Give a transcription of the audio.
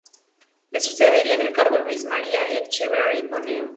Le sucedería en el cargo Luis María Etcheverry Boneo.